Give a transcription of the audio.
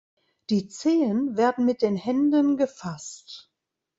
Die Zehen werden mit den Händen gefasst.